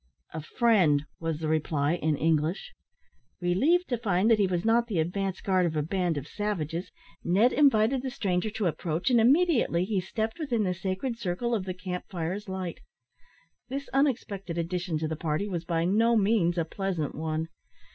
"A friend," was the reply, in English. Relieved to find that he was not the advance guard of a band of savages, Ned invited the stranger to approach, and immediately he stepped within the sacred circle of the camp fire's light. This unexpected addition to the party was by no means a pleasant one.